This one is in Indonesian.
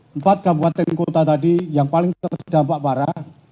empat kabupaten kota tadi yang paling terdampak parah